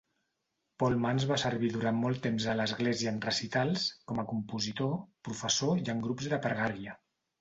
Paul Manz va servir durant molt temps a l'església en recitals, com a compositor, professor i en grups de pregària.